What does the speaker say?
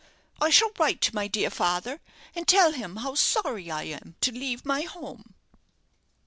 I shall write to my dear father, and tell him how sorry I am to leave my home.'"